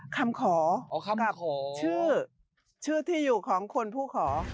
คำขอชื่อชื่อที่อยู่ของคนผู้ขอ